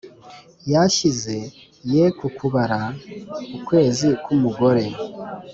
yashyize ye ku kubara ukwezi k'umugore,